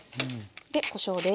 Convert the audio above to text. でこしょうです。